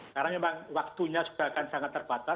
karena memang waktunya juga akan sangat terbatas